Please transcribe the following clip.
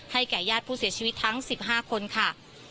แก่ญาติผู้เสียชีวิตทั้ง๑๕คนค่ะ